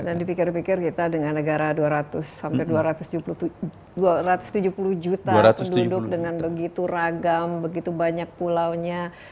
dan dipikir pikir kita dengan negara dua ratus sampai dua ratus tujuh puluh juta penduduk dengan begitu ragam begitu banyak pulaunya